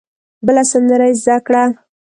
بله سندره یې زده کړه.